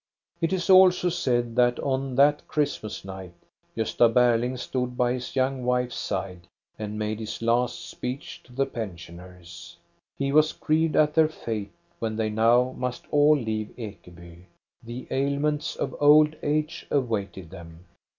It is also said that on that Christmas night Gosta Berling stood by his young wife's side and made his last speech to the pensioners. He was grieved at 472 THE STORY OF COSTA BERLING their fate when they now must all leave Ekeby. The ailments of old age awaited them.